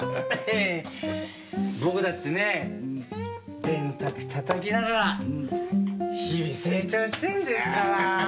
僕だってね電卓叩きながら日々成長してんですから！